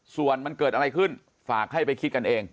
ส่วนมันเกิดอะไรขึ้นฝากให้ไปคิดกันเอง